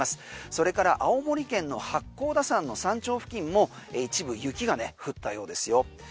それから青森県の八甲田山の山頂付近も一部雪が降ったようですよ。